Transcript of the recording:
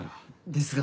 ですが。